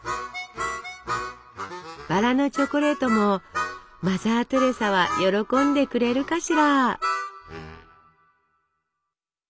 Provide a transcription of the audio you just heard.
バラのチョコレートもマザー・テレサは喜んでくれるかしら？